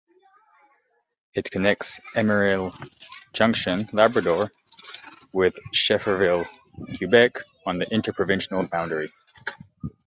It connects Emeril Junction, Labrador with Schefferville, Quebec on the interprovincial boundary.